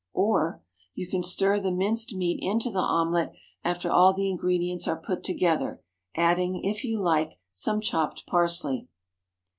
Or, You can stir the minced meat into the omelette after all the ingredients are put together, adding, if you like, some chopped parsley.